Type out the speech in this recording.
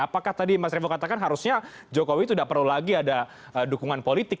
apakah tadi mas revo katakan harusnya jokowi tidak perlu lagi ada dukungan politik